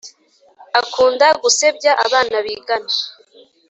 akunda gusebya abana bigana